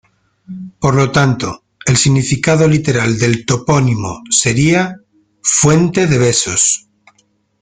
Por lo tanto, el significado literal del topónimo sería "Fuente de Besos".